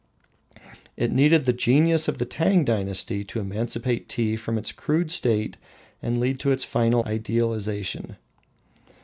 It needed the genius of the Tang dynasty to emancipate Tea from its crude state and lead to its final idealization.